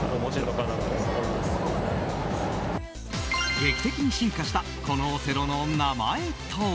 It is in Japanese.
劇的に進化したこのオセロの名前とは？